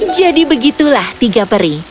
jadi begitulah tiga peri